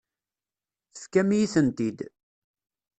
Tefkam-iyi-tent-id.